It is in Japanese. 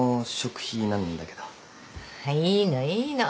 いいのいいの。